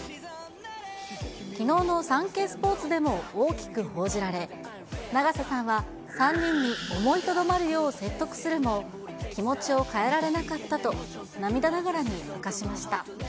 きのうのサンケイスポーツでも大きく報じられ、永瀬さんは、３人に思いとどまるよう説得するも、気持ちを変えられなかったと、涙ながらに明かしました。